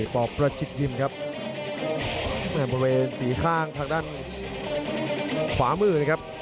พาท่านผู้ชมกลับติดตามความมันกันต่อครับ